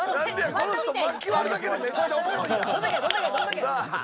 この人、薪割るだけでめっちゃおもろいやん。